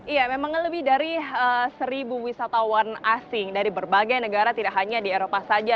iya memang lebih dari seribu wisatawan asing dari berbagai negara tidak hanya di eropa saja